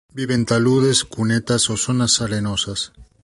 Vive en taludes, cunetas o zonas arenosas.